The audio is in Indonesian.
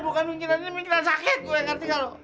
bukan mikiran ini mikiran sakit gue yang ngerti kakak